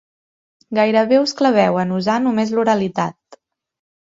Gairebé us claveu en usar només l'oralitat.